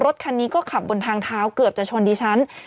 รถคันนี้ก็ขับบนทางเท้าเกือบจะชนดิฉัน